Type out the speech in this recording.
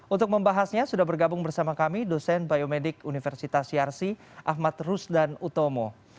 untuk membahasnya sudah bergabung bersama kami dosen biomedik universitas yarsi ahmad rusdan utomo